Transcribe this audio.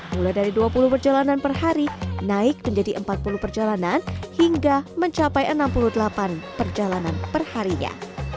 mulai dari dua puluh perjalanan per hari naik menjadi empat puluh perjalanan hingga mencapai enam puluh delapan perjalanan perharinya